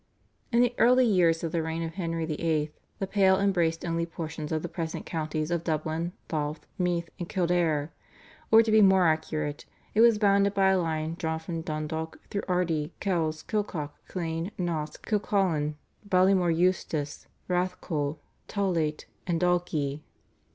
In the early years of the reign of Henry VIII. the Pale embraced only portions of the present counties of Dublin, Louth, Meath and Kildare, or to be more accurate, it was bounded by a line drawn from Dundalk through Ardee, Kells, Kilcock, Clane, Naas, Kilcullen, Ballymore Eustace, Rathcoole, Tallaght, and Dalkey.